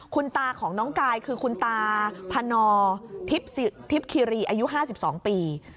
คุณตาของน้องกายคือคุณตาพนทิพย์คิรีอายุ๕๒ปี